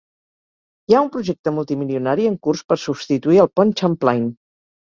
Hi ha un projecte multimilionari en curs per substituir el pont Champlain.